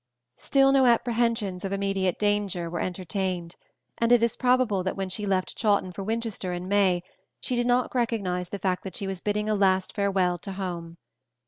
Still no apprehensions of immediate danger were entertained, and it is probable that when she left Chawton for Winchester in May, she did not recognize the fact that she was bidding a last farewell to "Home."